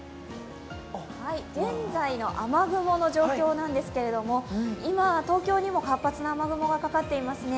現在の雨雲の状況なんですけれども、今、東京にも活発な雨雲がかかってますね。